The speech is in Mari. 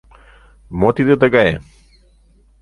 — Мо тиде тыгае?